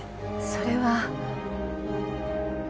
それは。